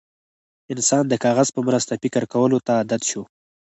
انسان د کاغذ په مرسته فکر کولو ته عادت شو.